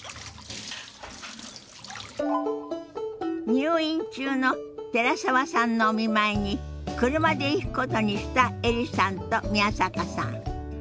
入院中の寺澤さんのお見舞いに車で行くことにしたエリさんと宮坂さん。